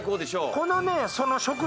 このね。